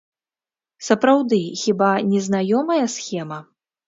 Сапраўды, хіба не знаёмая схема?